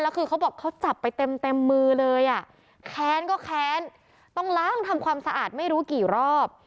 แล้วคือเขาบอกเขาจับไปเต็มมือเลยอ่ะแค้นก็แค้นต้องล้างทำความสะอาดไม่รู้กี่รอบ